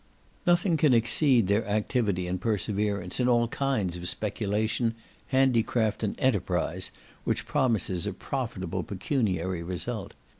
Nothing can exceed their activity and perseverance in all kinds of speculation, handicraft, and enterprise, which promises a profitable pecuniary result.